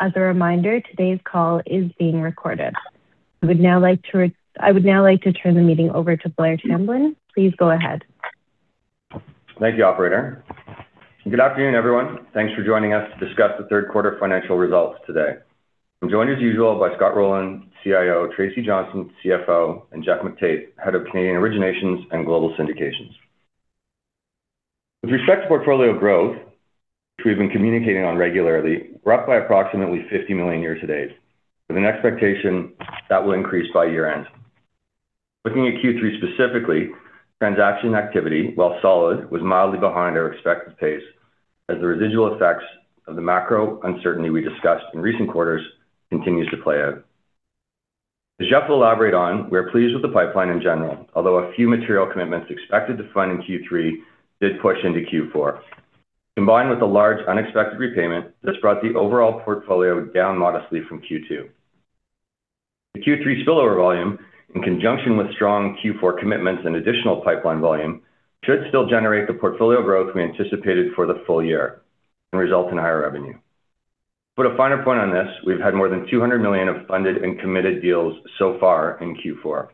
As a reminder, today's call is being recorded. I would now like to turn the meeting over to Blair Tamblyn. Please go ahead. Thank you, Operator. Good afternoon, everyone. Thanks for joining us to discuss the third quarter financial results today. I'm joined, as usual, by Scott Rowland, CIO, Tracy Johnston, CFO, and Geoff McTait, Head of Canadian Originations and Global Syndications. With respect to portfolio growth, which we've been communicating on regularly, we're up by approximately 50 million year-to-date, with an expectation that will increase by year-end. Looking at Q3 specifically, transaction activity, while solid, was mildly behind our expected pace as the residual effects of the macro uncertainty we discussed in recent quarters continue to play out. As Geoff will elaborate on, we're pleased with the pipeline in general, although a few material commitments expected to fund in Q3 did push into Q4. Combined with a large unexpected repayment, this brought the overall portfolio down modestly from Q2. The Q3 spillover volume, in conjunction with strong Q4 commitments and additional pipeline volume, should still generate the portfolio growth we anticipated for the full year and result in higher revenue. To put a finer point on this, we've had more than 200 million of funded and committed deals so far in Q4.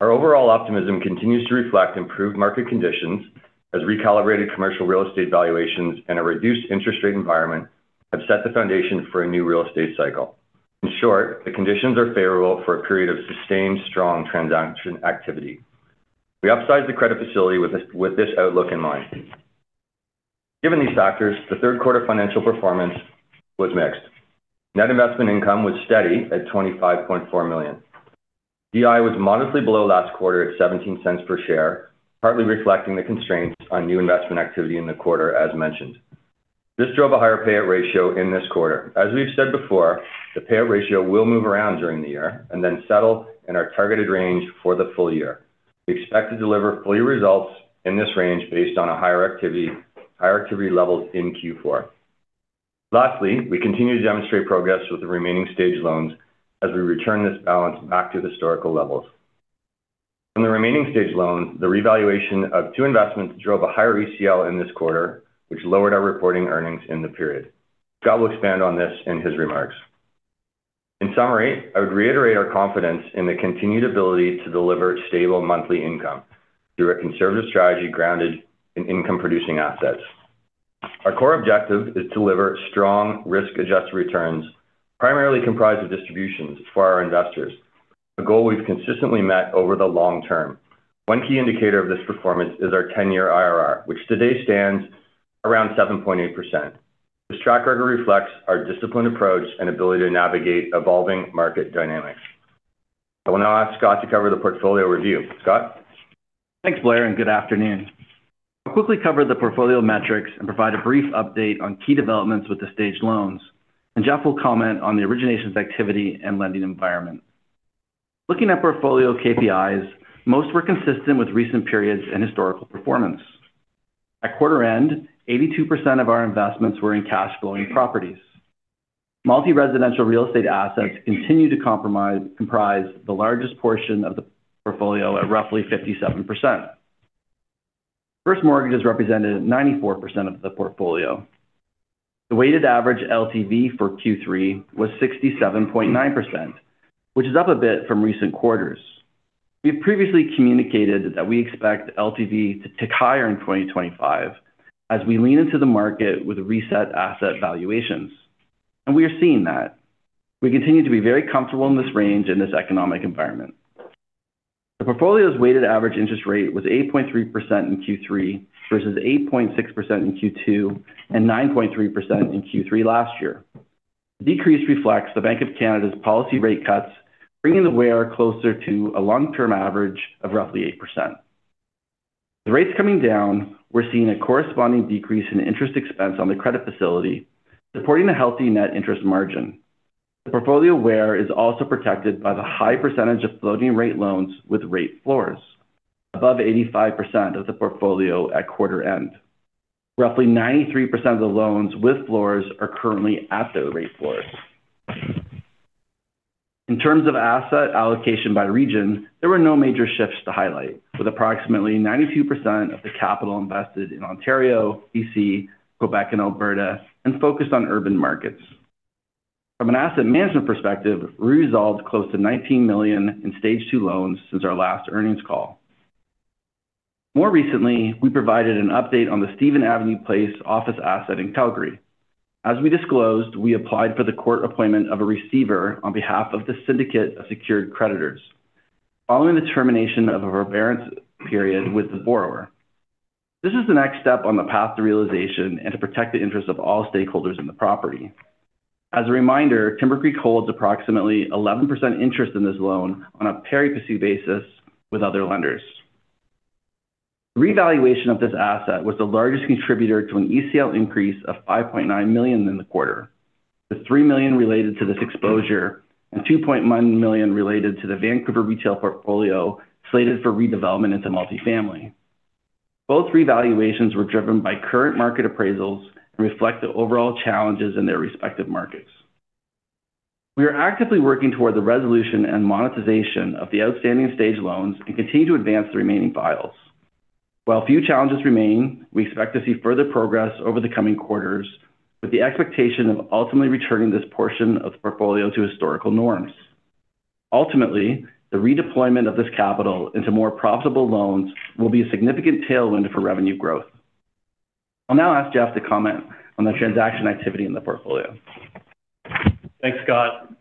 Our overall optimism continues to reflect improved market conditions as recalibrated commercial real estate valuations and a reduced interest rate environment have set the foundation for a new real estate cycle. In short, the conditions are favorable for a period of sustained strong transaction activity. We upsized the credit facility with this outlook in mind. Given these factors, the third quarter financial performance was mixed. Net investment income was steady at 25.4 million. DI was modestly below last quarter at 0.17 per share, partly reflecting the constraints on new investment activity in the quarter, as mentioned. This drove a higher payout ratio in this quarter. As we've said before, the payout ratio will move around during the year and then settle in our targeted range for the full year. We expect to deliver full-year results in this range based on higher activity levels in Q4. Lastly, we continue to demonstrate progress with the remaining staged loans as we return this balance back to historical levels. From the remaining staged loans, the revaluation of two investments drove a higher ECL in this quarter, which lowered our reporting earnings in the period. Scott will expand on this in his remarks. In summary, I would reiterate our confidence in the continued ability to deliver stable monthly income through a conservative strategy grounded in income-producing assets. Our core objective is to deliver strong, risk-adjusted returns primarily comprised of distributions for our investors, a goal we've consistently met over the long term. One key indicator of this performance is our 10-year IRR, which today stands around 7.8%. This track record reflects our disciplined approach and ability to navigate evolving market dynamics. I will now ask Scott to cover the portfolio review. Scott? Thanks, Blair, and good afternoon. I'll quickly cover the portfolio metrics and provide a brief update on key developments with the staged loans, and Geoff will comment on the originations activity and lending environment. Looking at portfolio KPIs, most were consistent with recent periods and historical performance. At quarter end, 82% of our investments were in cash-flowing properties. Multi-residential real estate assets continue to comprise the largest portion of the portfolio at roughly 57%. First mortgages represented 94% of the portfolio. The weighted average LTV for Q3 was 67.9%, which is up a bit from recent quarters. We've previously communicated that we expect LTV to tick higher in 2025 as we lean into the market with reset asset valuations, and we are seeing that. We continue to be very comfortable in this range in this economic environment. The portfolio's weighted average interest rate was 8.3% in Q3 versus 8.6% in Q2 and 9.3% in Q3 last year. The decrease reflects the Bank of Canada's policy rate cuts, bringing the WIR closer to a long-term average of roughly 8%. With rates coming down, we're seeing a corresponding decrease in interest expense on the credit facility, supporting a healthy net interest margin. The portfolio WIR is also protected by the high percentage of floating-rate loans with rate floors, above 85% of the portfolio at quarter end. Roughly 93% of the loans with floors are currently at those rate floors. In terms of asset allocation by region, there were no major shifts to highlight, with approximately 92% of the capital invested in Ontario, BC, Quebec, and Alberta, and focused on urban markets. From an asset management perspective, we resolved close to 19 million in stage two loans since our last earnings call. More recently, we provided an update on the Stephen Avenue Place office asset in Calgary. As we disclosed, we applied for the court appointment of a receiver on behalf of the Syndicate of Secured Creditors, following the termination of a forbearance period with the borrower. This is the next step on the path to realization and to protect the interests of all stakeholders in the property. As a reminder, Timbercreek Financial holds approximately 11% interest in this loan on a pari-passu basis with other lenders. The revaluation of this asset was the largest contributor to an ECL increase of 5.9 million in the quarter, with 3 million related to this exposure and 2.1 million related to the Vancouver retail portfolio slated for redevelopment into multifamily. Both revaluations were driven by current market appraisals and reflect the overall challenges in their respective markets. We are actively working toward the resolution and monetization of the outstanding staged loans and continue to advance the remaining files. While few challenges remain, we expect to see further progress over the coming quarters, with the expectation of ultimately returning this portion of the portfolio to historical norms. Ultimately, the redeployment of this capital into more profitable loans will be a significant tailwind for revenue growth. I'll now ask Geoff to comment on the transaction activity in the portfolio. Thanks, Scott.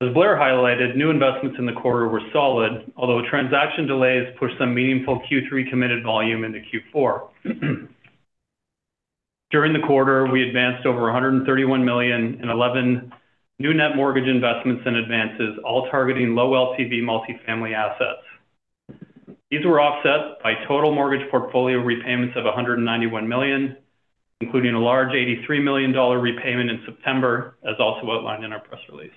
As Blair highlighted, new investments in the quarter were solid, although transaction delays pushed some meaningful Q3 committed volume into Q4. During the quarter, we advanced over 131 million in 11 new net mortgage investments and advances, all targeting low LTV multifamily assets. These were offset by total mortgage portfolio repayments of 191 million, including a large 83 million dollar repayment in September, as also outlined in our press release,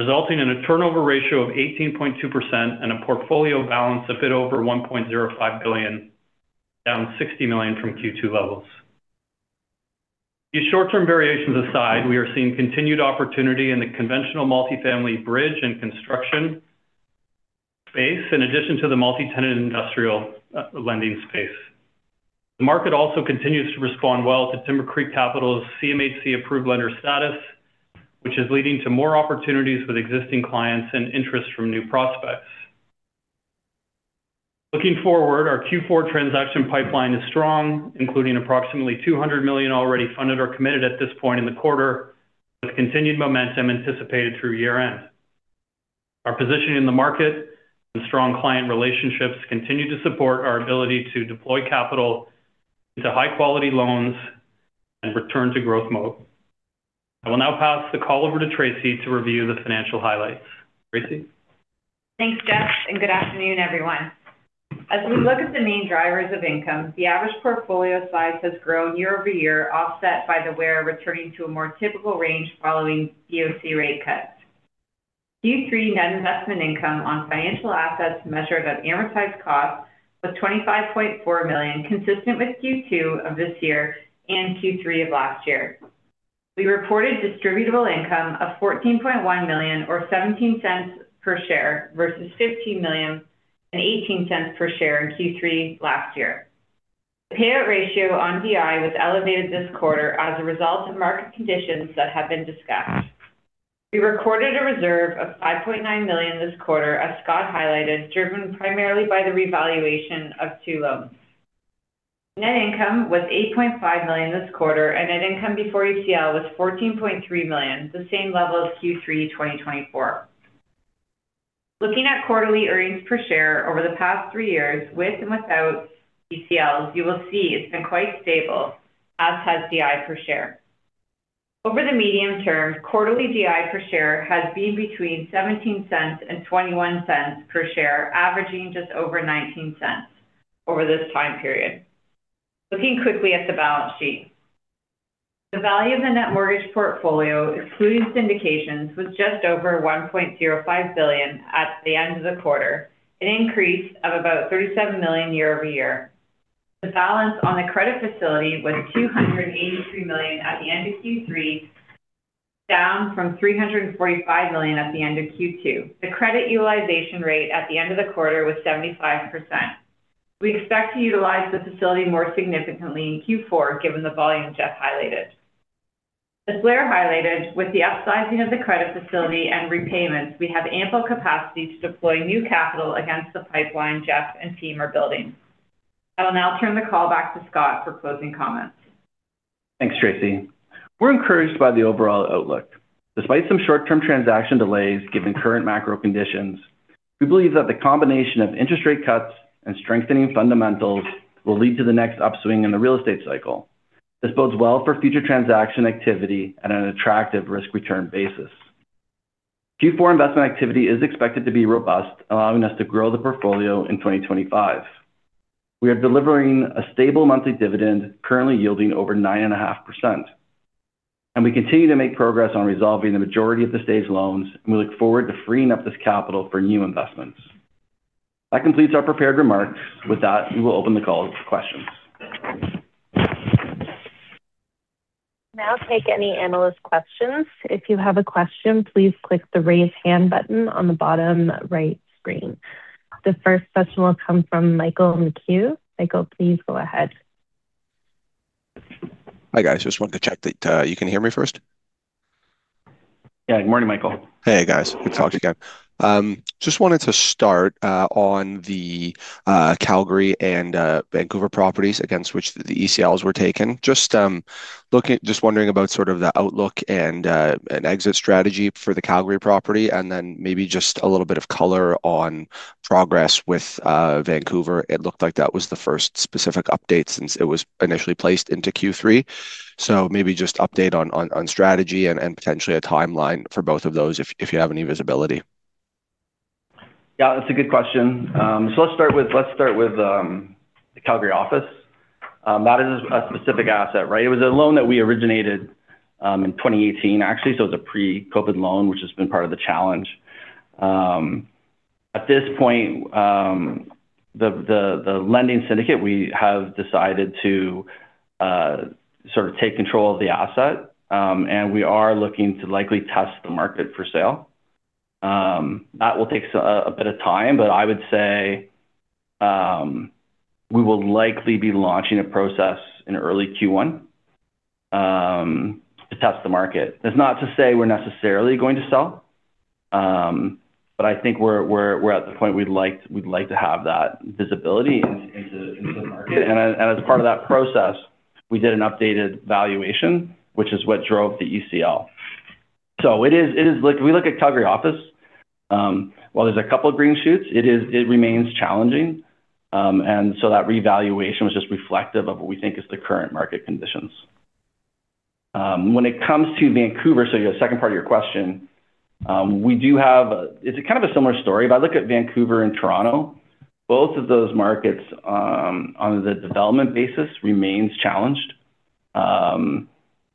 resulting in a turnover ratio of 18.2% and a portfolio balance of a bit over 1.05 billion, down 60 million from Q2 levels. These short-term variations aside, we are seeing continued opportunity in the conventional multifamily bridge and construction space, in addition to the multi-tenant industrial lending space. The market also continues to respond well to Timbercreek Capital's CMHC-approved lender status, which is leading to more opportunities with existing clients and interest from new prospects. Looking forward, our Q4 transaction pipeline is strong, including approximately 200 million already funded or committed at this point in the quarter, with continued momentum anticipated through year-end. Our position in the market and strong client relationships continue to support our ability to deploy capital into high-quality loans and return to growth mode. I will now pass the call over to Tracy to review the financial highlights. Tracy. Thanks, Geoff, and good afternoon, everyone. As we look at the main drivers of income, the average portfolio size has grown year-over-year, offset by the WIR returning to a more typical range following BOC rate cuts. Q3 net investment income on financial assets measured at amortized cost was 25.4 million, consistent with Q2 of this year and Q3 of last year. We reported distributable income of 14.1 million, or 0.17 per share, versus 15 million and 0.18 per share in Q3 last year. The payout ratio on DI was elevated this quarter as a result of market conditions that have been discussed. We recorded a reserve of 5.9 million this quarter, as Scott highlighted, driven primarily by the revaluation of two loans. Net income was 8.5 million this quarter, and net income before ECL was 14.3 million, the same level as Q3 2024. Looking at quarterly earnings per share over the past three years, with and without ECLs, you will see it's been quite stable, as has DI per share. Over the medium term, quarterly DI per share has been between 0.17 and 0.21 per share, averaging just over 0.19 over this time period. Looking quickly at the balance sheet, the value of the net mortgage portfolio, excluding syndications, was just over 1.05 billion at the end of the quarter, an increase of about 37 million year-over-year. The balance on the credit facility was 283 million at the end of Q3, down from 345 million at the end of Q2. The credit utilization rate at the end of the quarter was 75%. We expect to utilize the facility more significantly in Q4, given the volume Geoff highlighted. As Blair highlighted, with the upsizing of the credit facility and repayments, we have ample capacity to deploy new capital against the pipeline Geoff and team are building. I will now turn the call back to Scott for closing comments. Thanks, Tracy. We're encouraged by the overall outlook. Despite some short-term transaction delays given current macro conditions, we believe that the combination of interest rate cuts and strengthening fundamentals will lead to the next upswing in the real estate cycle. This bodes well for future transaction activity at an attractive risk-return basis. Q4 investment activity is expected to be robust, allowing us to grow the portfolio in 2025. We are delivering a stable monthly dividend, currently yielding over 9.5%. We continue to make progress on resolving the majority of the staged loans, and we look forward to freeing up this capital for new investments. That completes our prepared remarks. With that, we will open the call to questions. Now take any analyst questions. If you have a question, please click the raise hand button on the bottom right screen. The first question will come from Michael McCue. Michael, please go ahead. Hi, guys. Just wanted to check that you can hear me first. Good morning, Michael. Hey, guys. Good to talk to you again. Just wanted to start on the Calgary and Vancouver properties against which the ECLs were taken. Just wondering about the outlook and an exit strategy for the Calgary property, and then maybe just a little bit of color on progress with Vancouver. It looked like that was the first specific update since it was initially placed into Q3. Maybe just update on strategy and potentially a timeline for both of those if you have any visibility. Yeah, that's a good question. Let's start with the Calgary office. That is a specific asset, right? It was a loan that we originated in 2018, actually, so it was a pre-COVID loan, which has been part of the challenge. At this point, the lending syndicate, we have decided to sort of take control of the asset, and we are looking to likely test the market for sale. That will take a bit of time, but I would say we will likely be launching a process in early Q1 to test the market. That's not to say we're necessarily going to sell, but I think we're at the point we'd like to have that visibility into the market. As part of that process, we did an updated valuation, which is what drove the ECL. If we look at Calgary office, while there's a couple of green shoots, it remains challenging. That revaluation was just reflective of what we think is the current market conditions. When it comes to Vancouver, the second part of your question, we do have a—it's kind of a similar story. If I look at Vancouver and Toronto, both of those markets, on the development basis, remain challenged.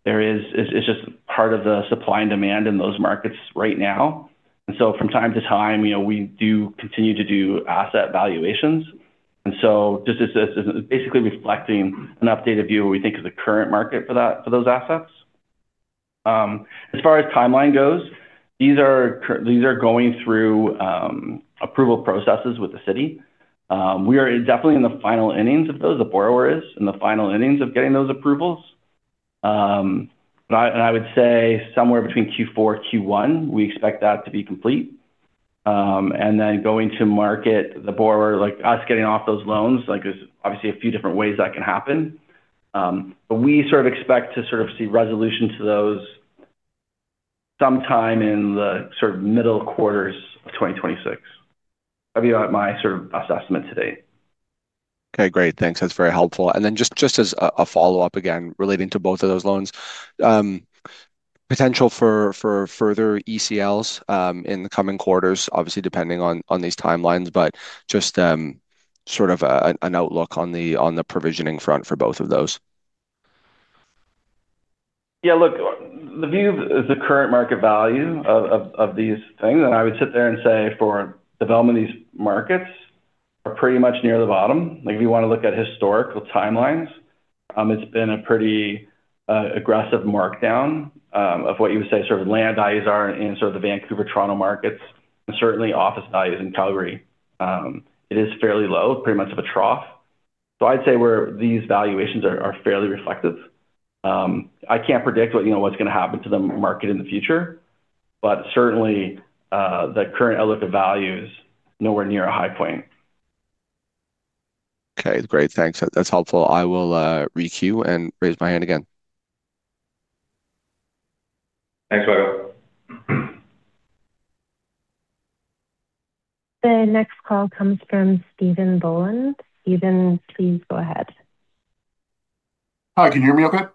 It's just part of the supply and demand in those markets right now. From time to time, we do continue to do asset valuations. This is basically reflecting an updated view of what we think is the current market for those assets. As far as timeline goes, these are going through approval processes with the city. We are definitely in the final innings of those. The borrower is in the final innings of getting those approvals. I would say somewhere between Q4 and Q1, we expect that to be complete. Going to market, the borrower, like us getting off those loans, there's obviously a few different ways that can happen. We sort of expect to see resolution to those sometime in the middle quarters of 2026. That'd be my sort of assessment today. Okay. Great. Thanks. That's very helpful. Just as a follow-up again, relating to both of those loans, potential for further ECLs in the coming quarters, obviously depending on these timelines, just sort of an outlook on the provisioning front for both of those. Yeah. Look, the view of the current market value of these things, and I would sit there and say for development, these markets are pretty much near the bottom. If you want to look at historical timelines, it's been a pretty aggressive markdown of what you would say sort of land values are in sort of the Vancouver, Toronto markets, and certainly office values in Calgary. It is fairly low, pretty much of a trough. I'd say where these valuations are fairly reflective. I can't predict what's going to happen to the market in the future, but certainly the current outlook of values is nowhere near a high point. Okay, great. Thanks. That's helpful. I will re-queue and raise my hand again. Thanks, Michael. The next call comes from Stephen Boland. Stephen, please go ahead. Hi, can you hear me okay?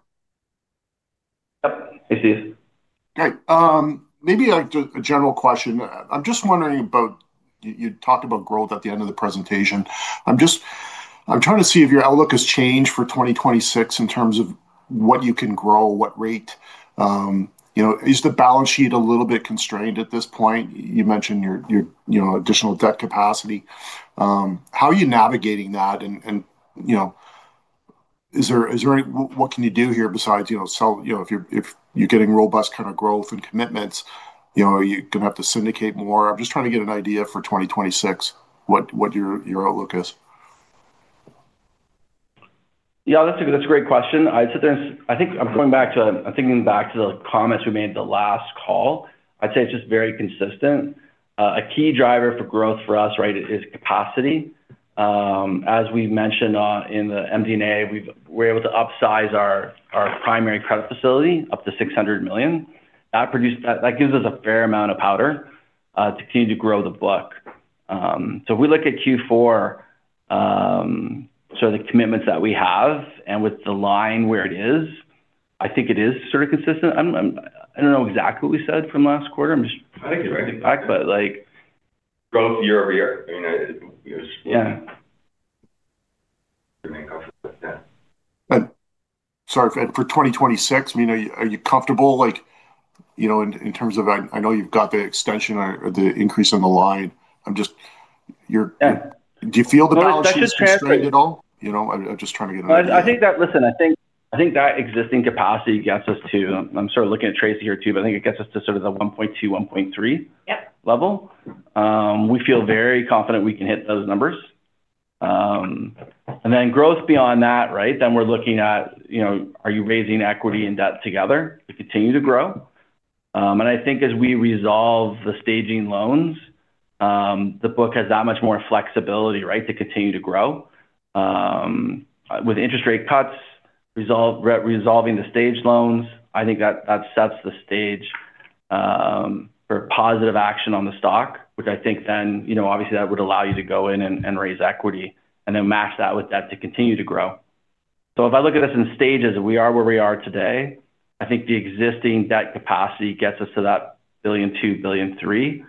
Yep, I see you. Great. Maybe a general question. I'm just wondering about—you talked about growth at the end of the presentation. I'm trying to see if your outlook has changed for 2026 in terms of what you can grow, what rate. Is the balance sheet a little bit constrained at this point? You mentioned your additional debt capacity. How are you navigating that? What can you do here besides sell if you're getting robust kind of growth and commitments? Are you going to have to syndicate more? I'm just trying to get an idea for 2026, what your outlook is. Yeah. That's a great question. I think I'm going back to the comments we made the last call. I'd say it's just very consistent. A key driver for growth for us, right, is capacity. As we mentioned in the MD&A, we're able to upsize our primary credit facility up to 600 million. That gives us a fair amount of powder to continue to grow the book. If we look at Q4, sort of the commitments that we have, and with the line where it is, I think it is sort of consistent. I don't know exactly what we said from last quarter. I'm just thinking back, but growth year-over-year. I mean. Yeah. For 2026, are you comfortable? In terms of—I know you've got the extension or the increase on the line. Do you feel the balance sheet is constrained at all? I'm just trying to get an idea. Listen, I think that existing capacity gets us to—I’m sort of looking at Tracy here too, but I think it gets us to sort of the 1.2 billion, 1.3 billion level. We feel very confident we can hit those numbers. Growth beyond that, right, then we’re looking at are you raising equity and debt together to continue to grow? I think as we resolve the staged loans, the book has that much more flexibility, right, to continue to grow. With interest rate cuts, resolving the staged loans, I think that sets the stage for positive action on the stock, which I think then, obviously, that would allow you to go in and raise equity and then match that with debt to continue to grow. If I look at us in stages and we are where we are today, I think the existing debt capacity gets us to that 1.2 billion, 1.3 billion.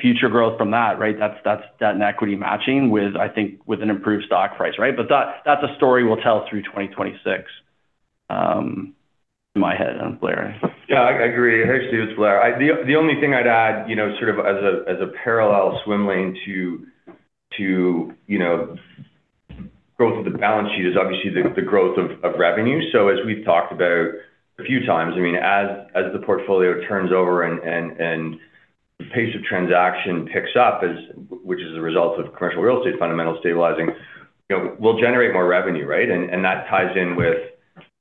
Future growth from that, right, that’s debt and equity matching with, I think, with an improved stock price, right? That’s a story we’ll tell through 2026. In my head, I’m flaring. Yeah. I agree. Hey, Stephen, flare. The only thing I’d add sort of as a parallel swim lane to growth of the balance sheet is obviously the growth of revenue. As we’ve talked about a few times, I mean, as the portfolio turns over and the pace of transaction picks up, which is a result of commercial real estate fundamentals stabilizing, we’ll generate more revenue, right? That ties in with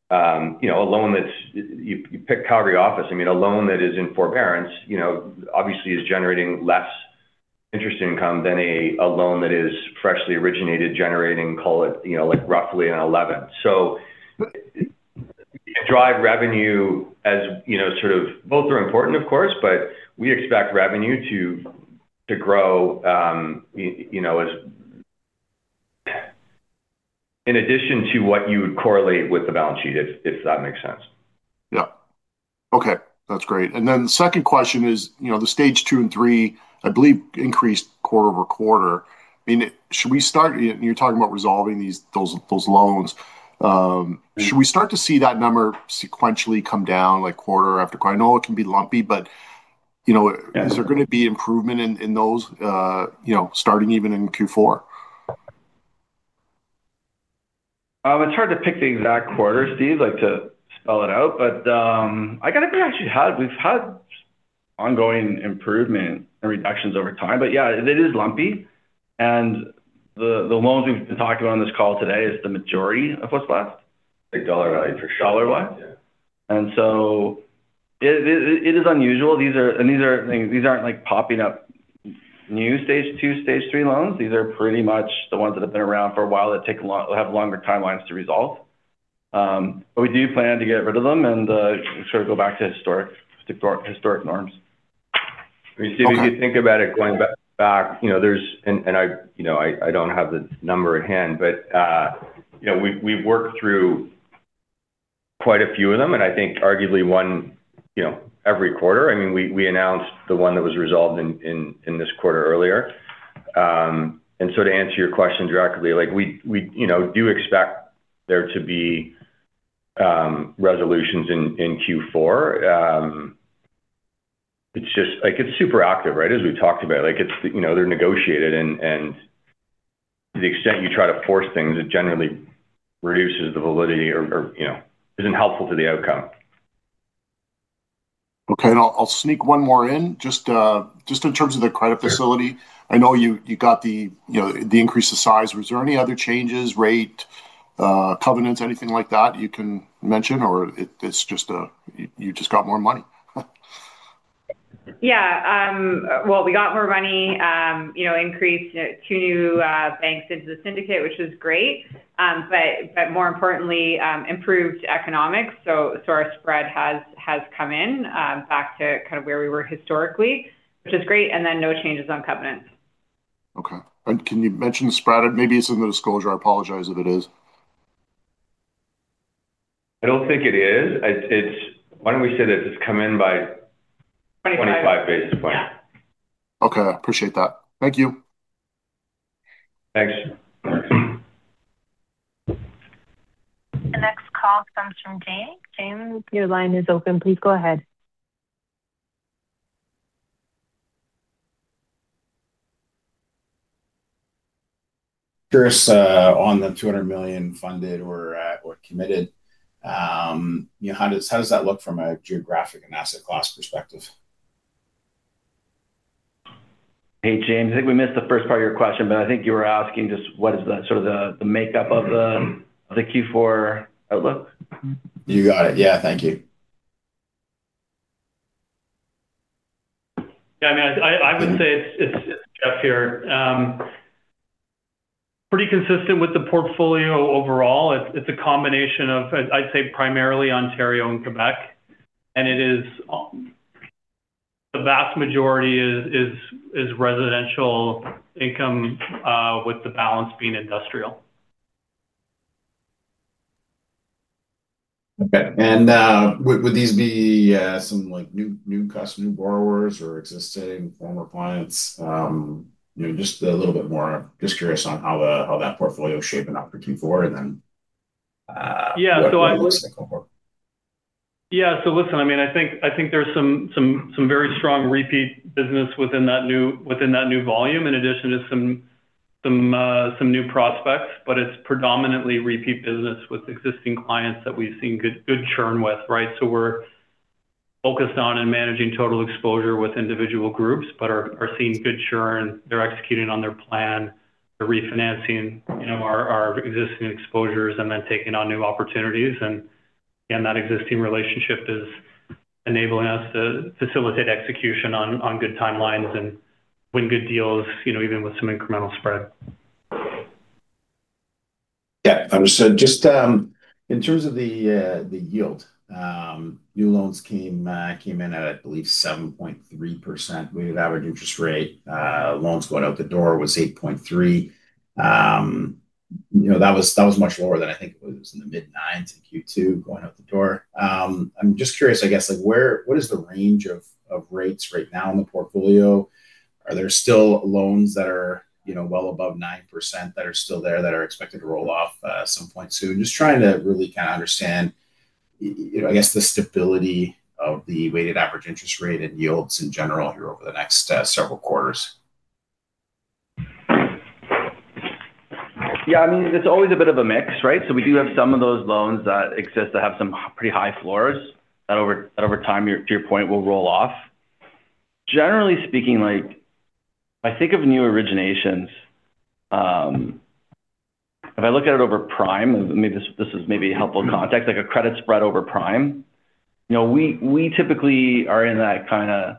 a loan that’s—you pick Calgary office. I mean, a loan that is in forbearance, obviously, is generating less interest income than a loan that is freshly originated, generating, call it, roughly an 11. Drive revenue as sort of both are important, of course, but we expect revenue to grow in addition to what you would correlate with the balance sheet, if that makes sense. Okay. That's great. The second question is the stage two and three, I believe, increased quarter over quarter. Should we start to see that number sequentially come down quarter after quarter? I know it can be lumpy, but is there going to be improvement in those, starting even in Q4? It's hard to pick the exact quarter, Steve, to spell it out, but I got to be honest, we've had ongoing improvement and reductions over time. Yeah, it is lumpy. The loans we've been talking about on this call today are the majority of what's left, dollar value for sure, dollar-wise. It is unusual. These aren't popping up as new stage two or stage three loans. These are pretty much the ones that have been around for a while that have longer timelines to resolve. We do plan to get rid of them and sort of go back to historic norms. Stephen, if you think about it going back, I don't have the number at hand, but we've worked through quite a few of them, and I think arguably one every quarter. We announced the one that was resolved in this quarter earlier. To answer your question directly, we do expect there to be resolutions in Q4. It's super active, right, as we've talked about. They're negotiated, and to the extent you try to force things, it generally reduces the validity or isn't helpful to the outcome. Okay. I'll sneak one more in. Just in terms of the credit facility, I know you got the increase of size. Was there any other changes, rate, covenants, anything like that you can mention, or you just got more money? Yeah. We got more money, increased two new banks into the syndicate, which was great. More importantly, improved economics. Our spread has come in back to kind of where we were historically, which is great. No changes on covenants. Okay. Can you mention the spread? Maybe it's in the disclosure. I apologize if it is. I don't think it is. Why don't we say that it's come in by 0.25 basis points. Okay, I appreciate that. Thank you. Thanks. The next call comes from Jaeme. Jaeme, your line is open. Please go ahead. Curious on the 200 million funded or committed. How does that look from a geographic and asset class perspective? Hey, James, I think we missed the first part of your question, but I think you were asking just what is sort of the makeup of the Q4 outlook. You got it. Yeah, thank you. Yeah. I mean, I would say it's Geoff here. Pretty consistent with the portfolio overall. It's a combination of, I'd say, primarily Ontario and Quebec. The vast majority is residential income with the balance being industrial. Would these be some new customers, new borrowers, or existing former clients? I'm just curious on how that portfolio shaped in Q4. Going forward. Yeah. Listen, I mean, I think there's some very strong repeat business within that new volume in addition to some new prospects, but it's predominantly repeat business with existing clients that we've seen good churn with, right? We're focused on and managing total exposure with individual groups, but are seeing good churn. They're executing on their plan, refinancing our existing exposures and then taking on new opportunities. That existing relationship is enabling us to facilitate execution on good timelines and win good deals, even with some incremental spread. Yeah. Understood. Just in terms of the yield, new loans came in at, I believe, 7.3% weighted average interest rate. Loans going out the door was 8.3%. That was much lower than I think it was in the mid-9% in Q2 going out the door. I'm just curious, I guess, what is the range of rates right now in the portfolio? Are there still loans that are well above 9% that are still there that are expected to roll off at some point soon? Just trying to really kind of understand, I guess, the stability of the weighted average interest rate and yields in general here over the next several quarters. Yeah. I mean, it's always a bit of a mix, right? We do have some of those loans that exist that have some pretty high floors that, over time, to your point, will roll off. Generally speaking, if I think of new originations, if I look at it over prime—and this is maybe helpful context, like a credit spread over prime—we typically are in that kind of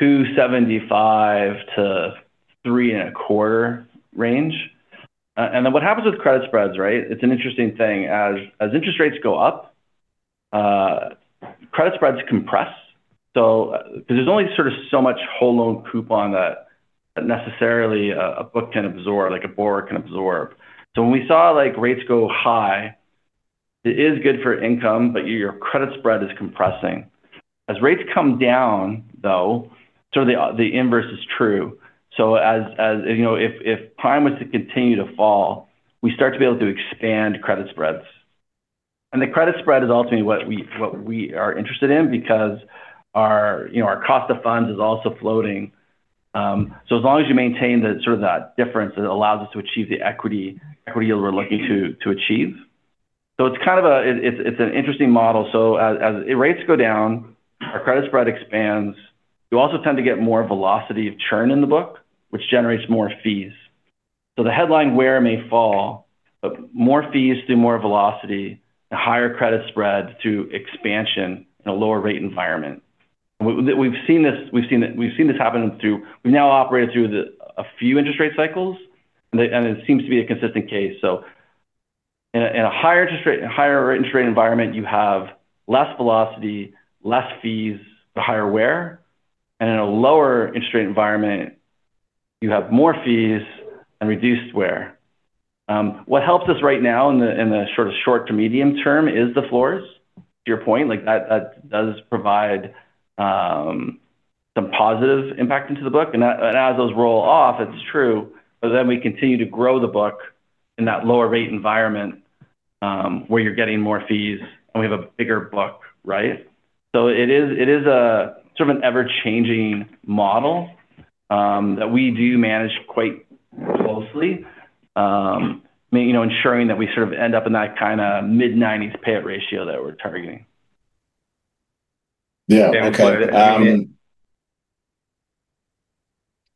2.75%-3.25% range. What happens with credit spreads, right? It's an interesting thing. As interest rates go up, credit spreads compress because there's only so much whole loan coupon that necessarily a book can absorb, like a borrower can absorb. When we saw rates go high, it is good for income, but your credit spread is compressing. As rates come down, the inverse is true. If prime was to continue to fall, we start to be able to expand credit spreads. The credit spread is ultimately what we are interested in because our cost of funds is also floating. As long as you maintain that difference, it allows us to achieve the equity yield we're looking to achieve. It's an interesting model. As rates go down, our credit spread expands. You also tend to get more velocity of churn in the book, which generates more fees. The headline weighted average interest rate may fall, but more fees through more velocity and higher credit spread through expansion in a lower rate environment. We've seen this happen through—we've now operated through a few interest rate cycles, and it seems to be a consistent case. In a higher interest rate environment, you have less velocity, less fees, but higher weighted average interest rate. In a lower interest rate environment, you have more fees and reduced weighted average interest rate. What helps us right now in the short to medium term is the floors, to your point. That does provide some positive impact into the book. As those roll off, it's true, but then we continue to grow the book in that lower rate environment where you're getting more fees, and we have a bigger book, right? It is an ever-changing model that we do manage quite closely, ensuring that we end up in that kind of mid-90% payout ratio that we're targeting. Yeah. Okay. Go ahead.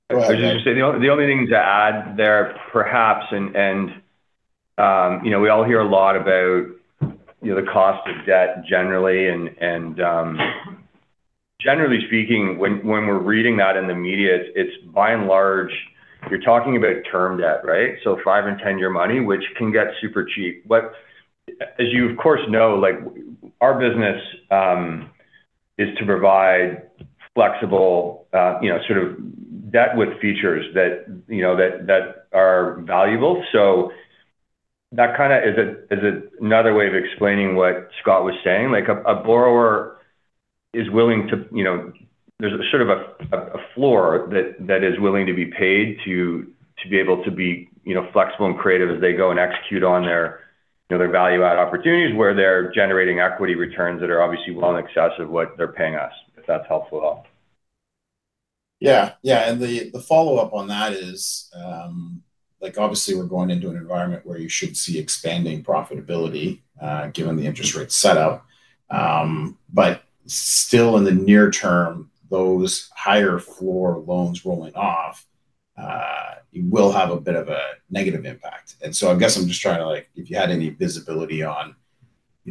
The only thing to add there, perhaps, is we all hear a lot about the cost of debt generally. Generally speaking, when we're reading that in the media, it's by and large talking about term debt, right? Five and 10-year money, which can get super cheap. As you, of course, know, our business is to provide flexible sort of debt with features that are valuable. That is another way of explaining what Scott was saying. A borrower is willing to—there's sort of a floor that is willing to be paid to be able to be flexible and creative as they go and execute on their value-add opportunities where they're generating equity returns that are obviously well in excess of what they're paying us, if that's helpful at all. Yeah. The follow-up on that is, obviously, we're going into an environment where you should see expanding profitability given the interest rate setup. Still, in the near term, those higher floor loans rolling off will have a bit of a negative impact. I guess I'm just trying to see if you had any visibility on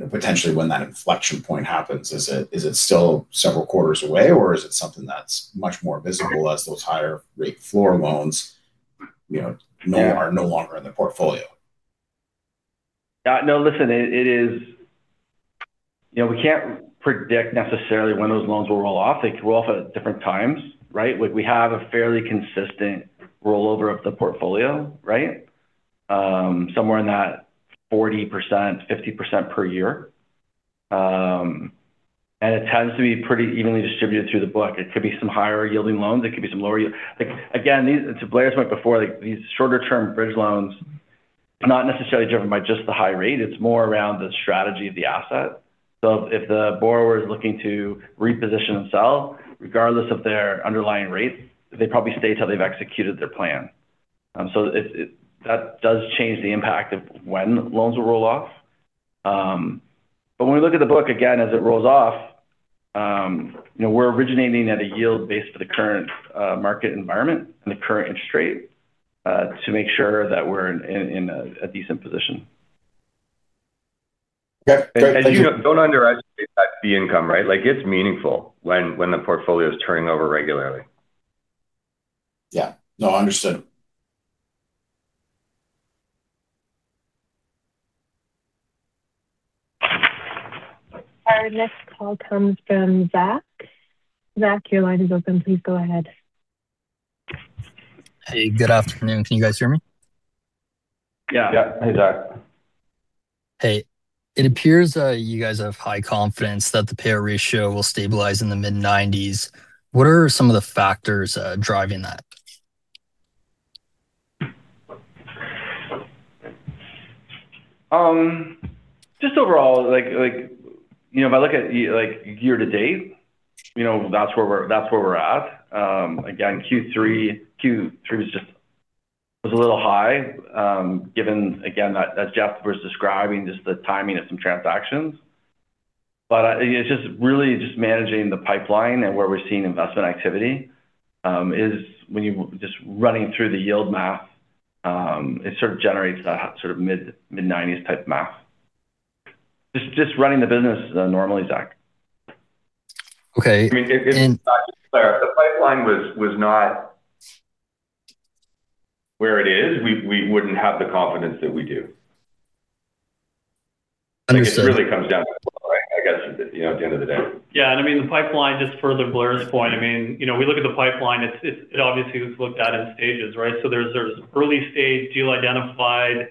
potentially when that inflection point happens. Is it still several quarters away, or is it something that's much more visible as those higher rate floor loans are no longer in the portfolio? Yeah. No, listen, we can't predict necessarily when those loans will roll off. They roll off at different times, right? We have a fairly consistent rollover of the portfolio, right? Somewhere in that 40%-50% per year, and it tends to be pretty evenly distributed through the book. It could be some higher yielding loans, it could be some lower yield. Again, to Blair's point before, these shorter-term bridge loans are not necessarily driven by just the high rate. It's more around the strategy of the asset. If the borrower is looking to reposition themselves, regardless of their underlying rates, they probably stay till they've executed their plan. That does change the impact of when loans will roll off. When we look at the book, again, as it rolls off, we're originating at a yield based for the current market environment and the current interest rate to make sure that we're in a decent position. Okay, thank you. Don't underestimate the income, right? It's meaningful when the portfolio is turning over regularly. Yeah, no, understood. Our next call comes from Zach. Zach, your line is open. Please go ahead. Hey, good afternoon. Can you guys hear me? Yeah. Hey, Zach. It appears you guys have high confidence that the payout ratio will stabilize in the mid-90%. What are some of the factors driving that? Just overall, if I look at year to date, that's where we're at. Again, Q3 was just a little high, given, again, as Geoff was describing, just the timing of some transactions. It's just really managing the pipeline and where we're seeing investment activity. When you're just running through the yield math, it sort of generates that sort of mid-90s type math. Just running the business normally, Zach. Okay. If the pipeline was not where it is, we wouldn't have the confidence that we do. Understood. It really comes down to the floor, I guess, at the end of the day. Yeah. The pipeline, just for Blair's point, we look at the pipeline. It obviously was looked at in stages, right? There's early stage deal identified.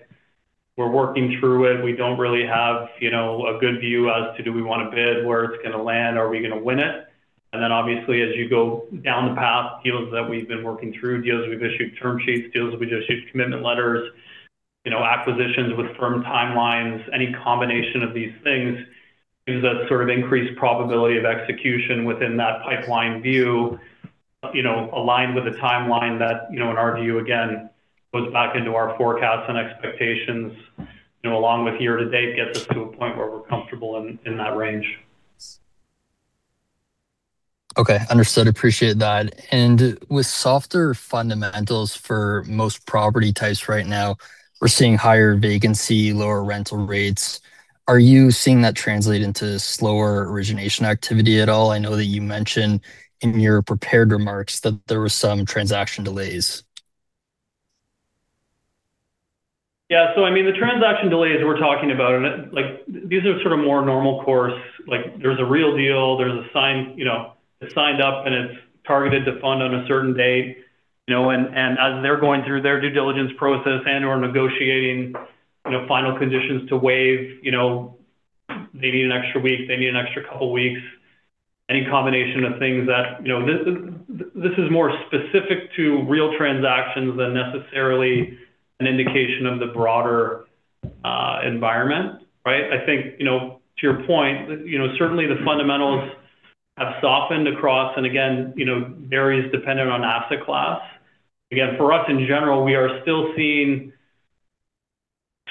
We're working through it. We don't really have a good view as to do we want to bid, where it's going to land, are we going to win it? Obviously, as you go down the path, deals that we've been working through, deals we've issued term sheets, deals we've issued commitment letters, acquisitions with firm timelines, any combination of these things gives us sort of increased probability of execution within that pipeline view. Aligned with a timeline that, in our view, again, goes back into our forecasts and expectations. Along with year to date, gets us to a point where we're comfortable in that range. Okay. Understood. Appreciate that. With softer fundamentals for most property types right now, we're seeing higher vacancy, lower rental rates. Are you seeing that translate into slower origination activity at all? I know that you mentioned in your prepared remarks that there were some transaction delays. Yeah. The transaction delays we're talking about are sort of more normal course. There's a real deal, it's signed up, and it's targeted to fund on a certain date. As they're going through their due diligence process and/or negotiating final conditions to waive, they need an extra week, they need an extra couple of weeks, any combination of things. This is more specific to real transactions than necessarily an indication of the broader environment, right? I think, to your point, certainly the fundamentals have softened across, and again, varies depending on asset class. For us in general, we are still seeing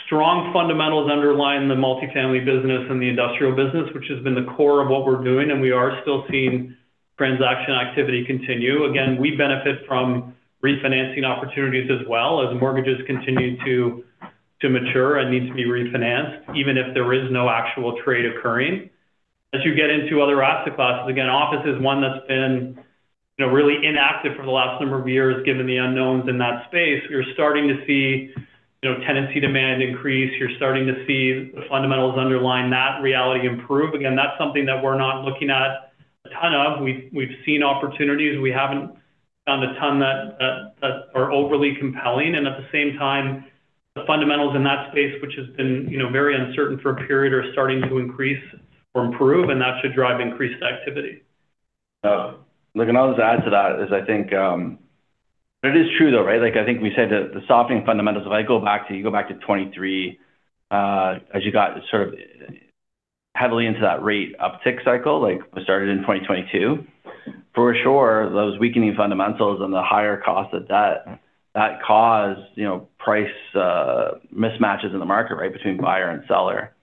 strong fundamentals underlying the multifamily business and the industrial business, which has been the core of what we're doing. We are still seeing transaction activity continue. We benefit from refinancing opportunities as well as mortgages continuing to mature and need to be refinanced, even if there is no actual trade occurring. As you get into other asset classes, office is one that's been really inactive for the last number of years, given the unknowns in that space. You're starting to see tenancy demand increase. You're starting to see the fundamentals underlying that reality improve. That's something that we're not looking at a ton of. We've seen opportunities, we haven't found a ton that are overly compelling. At the same time, the fundamentals in that space, which has been very uncertain for a period, are starting to increase or improve, and that should drive increased activity. Look, I'll just add to that. I think it is true, though, right? I think we said the softening fundamentals, if I go back to you go back to 2023. As you got sort of heavily into that rate uptick cycle, like we started in 2022. For sure, those weakening fundamentals and the higher cost of debt, that caused price mismatches in the market, right, between buyer and seller.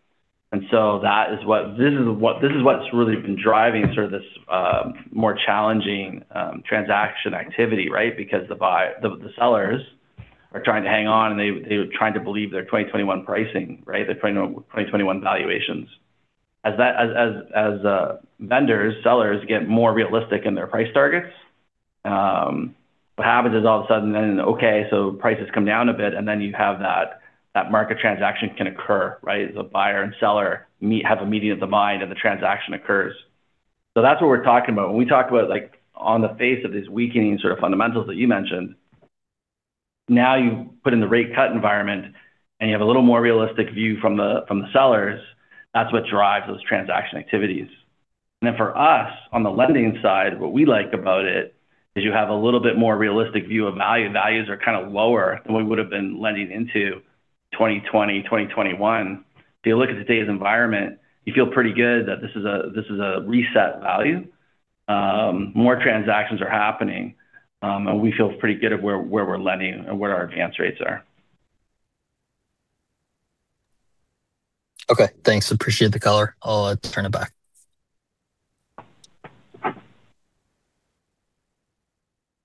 That is what's really been driving this more challenging transaction activity, right? The sellers are trying to hang on, and they're trying to believe their 2021 pricing, their 2021 valuations. As vendors, sellers get more realistic in their price targets. What happens is all of a sudden, prices come down a bit, and then you have that market transaction can occur, right? The buyer and seller have a meeting of the mind, and the transaction occurs. That's what we're talking about when we talk about on the face of these weakening fundamentals that you mentioned. Now you put in the rate cut environment, and you have a little more realistic view from the sellers, that's what drives those transaction activities. For us, on the lending side, what we like about it is you have a little bit more realistic view of value. Values are kind of lower than what we would have been lending into 2020, 2021. If you look at today's environment, you feel pretty good that this is a reset value. More transactions are happening, and we feel pretty good at where we're lending and where our advance rates are. Okay. Thanks. Appreciate the color. I'll turn it back.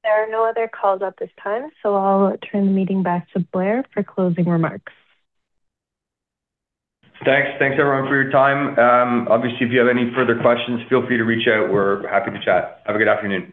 There are no other calls at this time, so I'll turn the meeting back to Blair for closing remarks. Thanks, everyone, for your time. Obviously, if you have any further questions, feel free to reach out. We're happy to chat. Have a good afternoon.